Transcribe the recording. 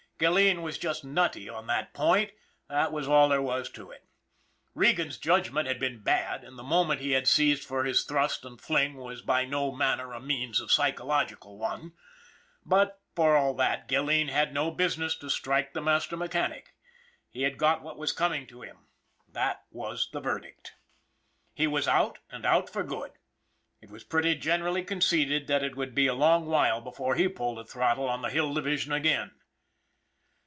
Gilleen was just nutty on that point, that was all there was to that. Regan's judgment had been bad and the moment he had seized for his thrust and fling was by no manner of means a psychological one; but, for all that, Gilleen had no business to strike the master mechanic. He had got what was coming to him that was the verdict. He was out and out for good. It was pretty generally conceded that it would be a long while before he pulled a throttle on the Hill Division again.